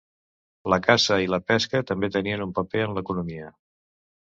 La caça i la pesca també tenien un paper en l'economia.